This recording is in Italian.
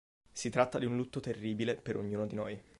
Si tratta di un lutto terribile per ognuno di noi.